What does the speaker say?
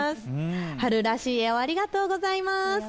春らしい絵をありがとうございます。